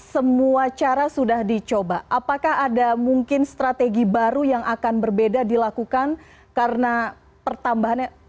semua cara sudah dicoba apakah ada mungkin strategi baru yang akan berbeda dilakukan karena pertambahannya